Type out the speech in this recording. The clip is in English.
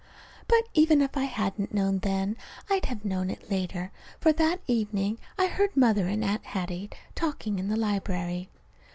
But even if I hadn't known then, I'd have known it later, for that evening I heard Mother and Aunt Hattie talking in the library.